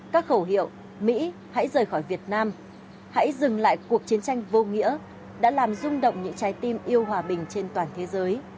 các khẩu hiệu mỹ hãy rời khỏi việt nam hãy dừng lại cuộc chiến tranh vô nghĩa đã làm rung động những trái tim yêu hòa bình trên toàn thế giới